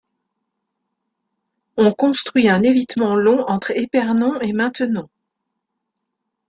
On construit un évitement long entre Épernon et Maintenon.